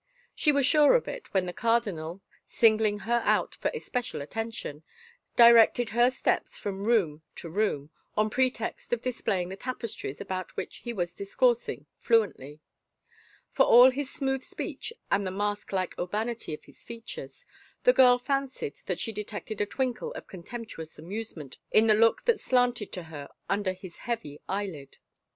She was sure of it, when the cardinal, singling her out for especial attention, directed her steps from room to room, on pretext of displaying the tapestries about which he was discoursing fluently. For all his smooth speech and the mask like urbanity of his features, the girl fancied that she detected a twinkle of contemptuous amusement in the look that slanted to her under his heavy eyelid.